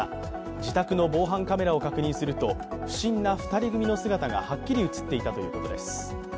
自宅の防犯カメラを確認すると、不審な２人組の姿がはっきり映っていたということです。